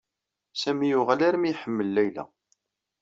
Sami yuɣal armi iḥemmel Layla.